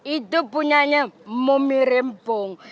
itu punyanya momi rempong